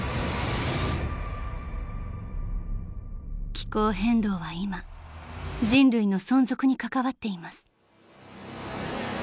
［気候変動は今人類の存続に関わっています］